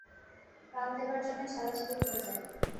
প্রাণ দেবার জন্যে ঠেলাঠেলি পড়ে যাবে।